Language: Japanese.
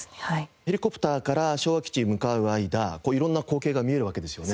ヘリコプターから昭和基地へ向かう間色んな光景が見えるわけですよね。